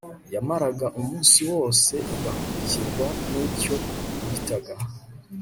yamaraga umunsi wose igakurikirwa n'icyo bitaga